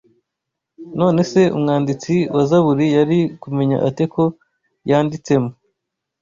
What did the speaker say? None se umwanditsi wa zaburi yari kumenya ate ko yanditsemo?